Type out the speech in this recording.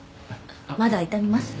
まだ痛みます？